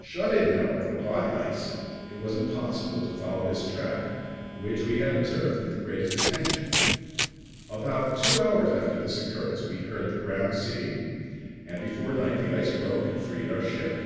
Shut in, however, by ice, it was impossible to follow his track, which we had observed with the greatest attention. About two hours after this occurrence we heard the ground sea, and before night the ice broke and freed our ship.